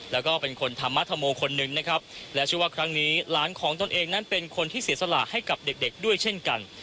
แล้วก็เป็นคนธรรมธรโมคนหนึ่งนะครับและชื่อว่าครั้งนี้หลานของตนเองนั้นเป็นคนที่เสียสละให้กับเด็กเด็กด้วยเช่นกัน